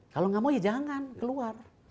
kalau nggak mau ya jangan keluar